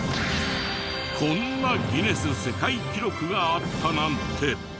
こんなギネス世界記録があったなんて。